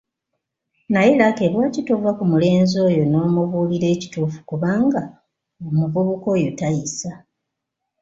Naye Lucky, lwaki tova ku mulenzi oyo n’omubuulira ekituufu kubanga omuvubuka oyo tayisa!